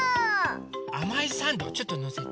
あまいサンドちょっとのせて。